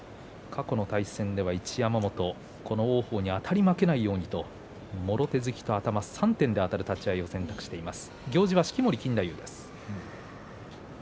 過去の対戦では一山本この王鵬にあたり負けないようにと、もろ手突きと頭３点であたる立ち合いを選択しています。